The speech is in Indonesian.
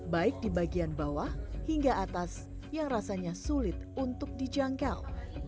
baik di bagian bawah hingga atas yang rasanya sulit untuk dijangkau